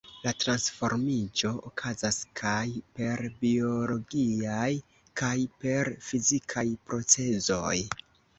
La transformiĝo okazas kaj per biologiaj kaj per fizikaj procezoj.